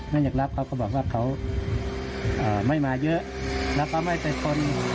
ไม่อยากรับเขาก็บอกว่าเขาไม่มาเยอะแล้วก็ไม่เป็นคน